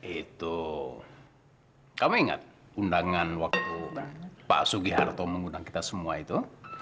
itu kami ingat undangan waktu pak sugiharto mengundang kita semua itu